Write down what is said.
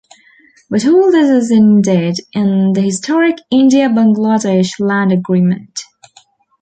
But all this has ended in the historic India-Bangladesh land agreement.